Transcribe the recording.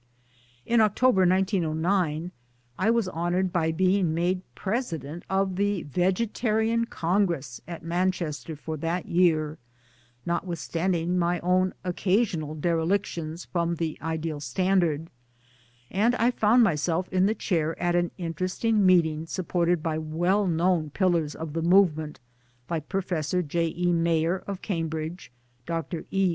In October 1909 I was honoured by being made President of the Vegetarian Congress at Manchester for that year notwithstanding my own occasional derelictions from the ideal standard and I found myself in the chair at an interesting meeting sup ported by well known pillars of the movement like Professor J. E. Mayor of Cambridge, Dr. E.